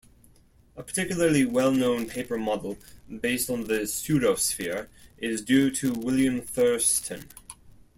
A particularly well-known paper model based on the pseudosphere is due to William Thurston.